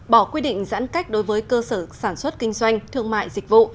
bỏ quy định giãn cách đối với cơ sở sản xuất kinh doanh thương mại dịch vụ